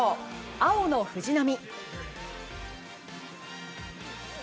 青の藤波。